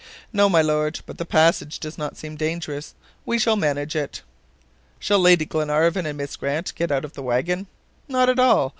"No, my Lord; but the passage does not seem dangerous. We shall manage it." "Shall Lady Glenarvan and Miss Grant get out of the wagon?" "Not at all.